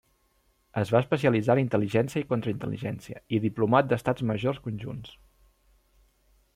Es va especialitzar en intel·ligència i contraintel·ligència i diplomat d'Estats Majors Conjunts.